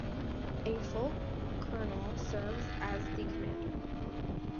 A full colonel serves as the commander.